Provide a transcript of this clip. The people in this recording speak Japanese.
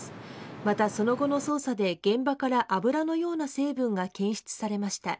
また、その後の捜査で現場から油のような成分が検出されました。